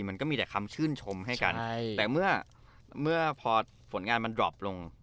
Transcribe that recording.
มันก็มีแต่คำชื่นชมให้กันแต่เมื่อพอผลงานมันดรอปลง